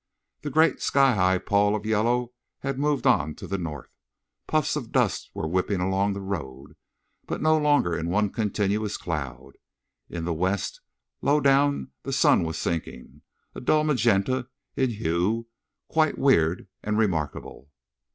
The great sky high pall of yellow had moved on to the north. Puffs of dust were whipping along the road, but no longer in one continuous cloud. In the west, low down the sun was sinking, a dull magenta in hue, quite weird and remarkable.